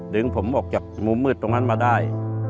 ดึงผมออกจากมุมมืดตรงนั้นมาได้